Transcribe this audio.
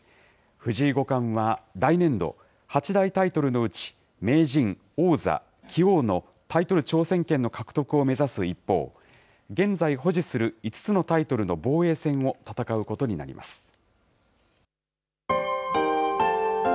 藤井五冠は来年度、八大タイトルのうち、名人、王座、棋王のタイトル挑戦権の獲得を目指す一方、現在保持する５つのタイトルの防衛戦を戦うことになります。